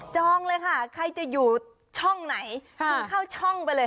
เลยค่ะใครจะอยู่ช่องไหนคุณเข้าช่องไปเลย